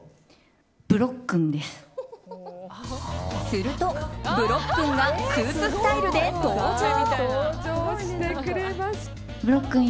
すると、ぶろっ君がスーツスタイルで登場！